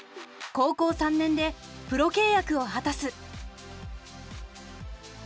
高校３年でプロ契約を果たす。